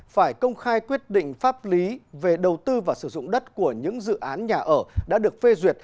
phải công khai quyết định pháp lý về đầu tư và sử dụng đất của những dự án nhà ở đã được phê duyệt